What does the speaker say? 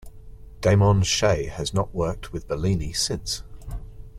Damon Che has not worked with Bellini since.